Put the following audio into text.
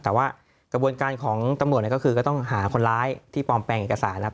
แต่ว่ากระบวนการของตำรวจก็คือก็ต้องหาคนร้ายที่ปลอมแปลงเอกสารครับ